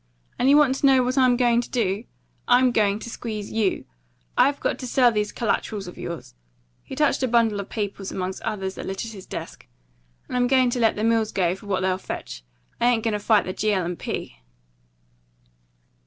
And you want to know what I'm going to do? I'm going to squeeze YOU. I'm going to sell these collaterals of yours," he touched a bundle of papers among others that littered his desk, "and I'm going to let the mills go for what they'll fetch. I ain't going to fight the G. L. & P."